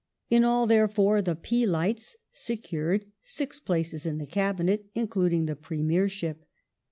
In all, therefore, the Peelites secured six places in the Cabinet, including the Premiership.